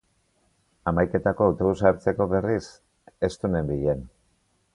Hamaiketako autobusa hartzeko, berriz, estu nenbilen.